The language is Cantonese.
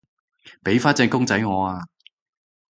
畀返隻公仔我啊